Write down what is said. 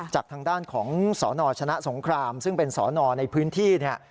จากทางด้านของสนชนะสงครามซึ่งเป็นสอนอในพื้นที่เนี่ย